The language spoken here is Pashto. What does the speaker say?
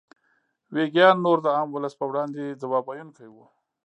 ویګیان نور د عام ولس په وړاندې ځواب ویونکي وو.